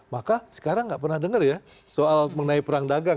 maka sekarang nggak pernah dengar ya soal mengenai perang dagang